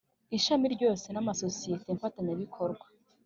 Ishami ryose n amasosiyete mfatanyabikorwa